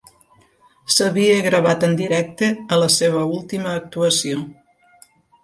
S'havia gravat en directe a la seva última actuació.